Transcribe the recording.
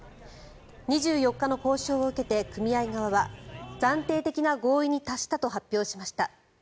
２４日に交渉を受けて、組合側は暫定的な合意に達したと発表しました。